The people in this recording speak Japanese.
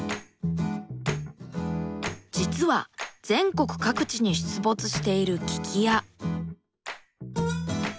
実は全国各地に出没している聞き屋。